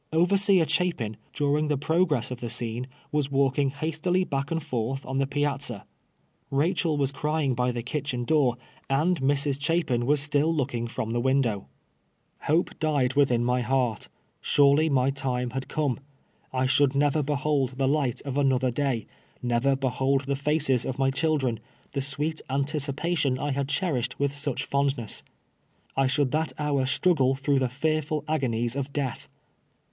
Overseer Chapin, during the progress of the scene, was walk ing hastily back and forth on the piazza. Rachel was crying by the kitchen door, and Mrs. Chapin w^as still ATTEMPT TO HAXG ME. 115 looking from tlie window. Hope died within nij heart. Surely my time had come. I should never behold the light of anotlier day — never behold the faces of my children — the sweet anticipation I had cherished with such fondness. I should that hour struggle through the fearful agonies of death